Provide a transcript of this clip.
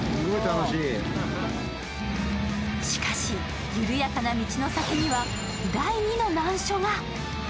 しかし、緩やかな道の先には第二の難所が。